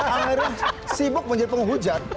akhirnya sibuk menjadi penghujat